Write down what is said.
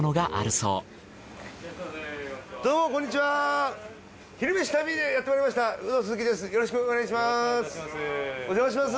よろしくお願いします。